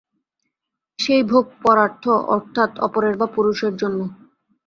সেই ভোগ পরার্থ অর্থাৎ অপরের বা পুরুষের জন্য।